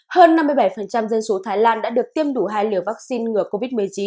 hơn năm mươi bảy dân số thái lan đã được tiêm đủ hai liều vaccine ngừa covid một mươi chín